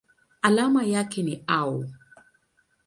Alama yake ni Au.